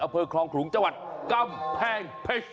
อำเภอคลองขลุงจังหวัดกำแพงเพชร